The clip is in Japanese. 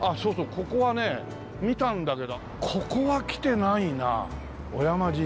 ここはね見たんだけどここは来てないな尾山神社。